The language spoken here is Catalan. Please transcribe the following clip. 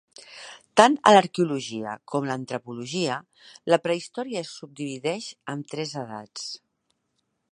Tant a l'arqueologia com a l'antropologia, la prehistòria es subdivideix en tres edats.